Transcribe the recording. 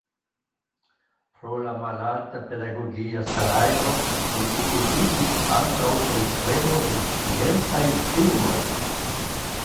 Pro la malalta pedagogia salajro li okupiĝis ankaŭ pri kreo de sciencaj filmoj.